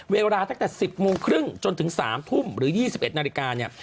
เวลาตั้งแต่๑๐โมงครึ่งจนถึง๓ทุ่มหรือ๒๑นาฬิกาเนี่ย